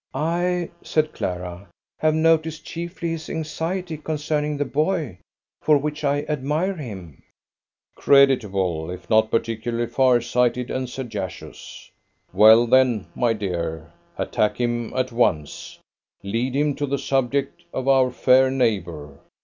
"I," said Clara, "have noticed chiefly his anxiety concerning the boy; for which I admire him." "Creditable, if not particularly far sighted and sagacious. Well, then, my dear, attack him at once; lead him to the subject of our fair neighbour.